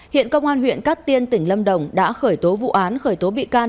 hiện công an huyện cát tiên tỉnh lâm đồng đã khởi tố vụ án khởi tố bị can